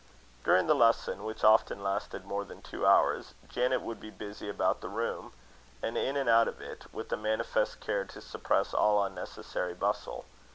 During the lesson, which often lasted more than two hours, Janet would be busy about the room, and in and out of it, with a manifest care to suppress all unnecessary bustle.